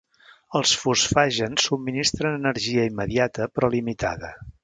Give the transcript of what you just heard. Els fosfàgens subministren energia immediata però limitada.